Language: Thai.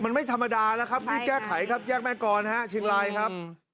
มันไม่ธรรมดาแล้วครับรีบแก้ไขครับแยกแม่กรฮะเชียงรายครับ